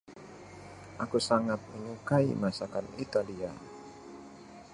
Aku sangat menyukai masakan Italia.